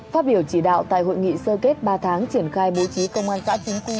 phát biểu chỉ đạo tại hội nghị sơ kết ba tháng triển khai bố trí công an xã chính quy